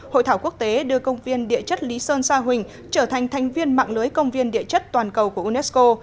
hội thảo quốc tế đưa công viên địa chất lý sơn sa huỳnh trở thành thành viên mạng lưới công viên địa chất toàn cầu của unesco